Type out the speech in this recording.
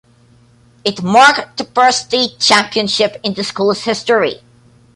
It marked the first state championship in the school's history.